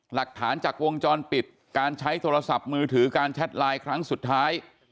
หลักฐานจากวงจรปิดการใช้โทรศัพท์มือถือการแชทไลน์ครั้งสุดท้าย